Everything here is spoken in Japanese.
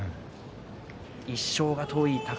１勝が遠い宝